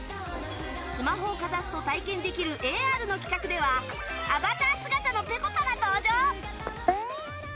スマホをかざすと体験できるＡＲの企画ではアバター姿のぺこぱが登場！